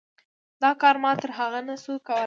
دا کار ما تر هغه نه شو کولی.